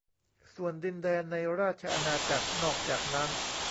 ส่วนดินแดนในราชอาณาจักรนอกจากนั้น